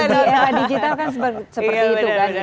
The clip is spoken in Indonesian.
digital kan seperti itu